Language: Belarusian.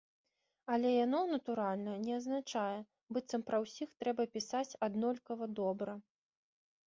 Але яно, натуральна, не азначае, быццам пра ўсіх трэба пісаць аднолькава добра.